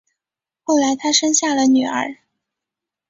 后来他生下了女儿